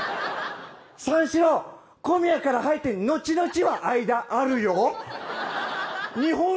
三四郎、小宮から入ってのちのちは相田、あるよ。